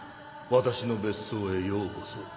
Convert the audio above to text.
私の別荘へようこそ。